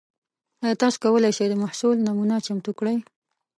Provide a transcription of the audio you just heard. ایا تاسو کولی شئ د محصول نمونه چمتو کړئ؟